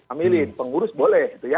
amilin pengurus boleh gitu ya